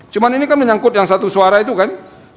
cuma ini kan menyangkut yang satu suara itu kan